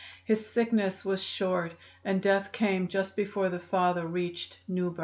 His sickness was short and death came just before the father reached New Berne.